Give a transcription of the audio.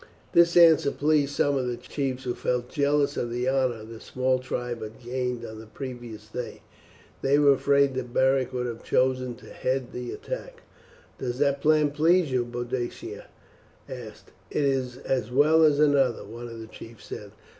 This answer pleased some of the chiefs, who felt jealous of the honour the small tribe had gained on the previous day. They were afraid that Beric would have chosen to head the attack. "Does that plan please you?" Boadicea asked. "It is as well as another," one of the chiefs said.